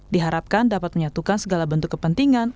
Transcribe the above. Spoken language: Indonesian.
diharapkan dapat menyatukan segala bentuk kepentingan